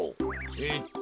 えっと。